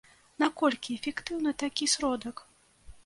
Наколькі эфектыўны такі сродак?